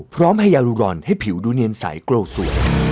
พร้อมให้ยาลุรณให้ผิวดูเนียนใสเกิดสุด